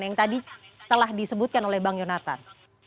yang tadi setelah disebutkan oleh bang yonatan